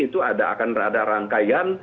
itu akan ada rangkaian